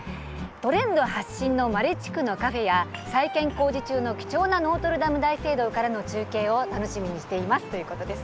トレンド発信のマレ地区のカフェや再建工事中の貴重なノートルダム大聖堂からの中継を楽しみにしていますということです。